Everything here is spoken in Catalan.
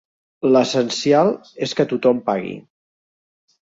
L'essencial és que tothom pagui.